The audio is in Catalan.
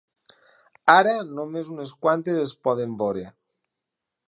Ara, només unes quantes es poden veure.